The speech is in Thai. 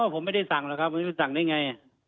ผมไม่ได้สั่งหรอกครับไม่รู้สั่งได้ไง